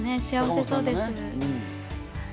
幸せそうです。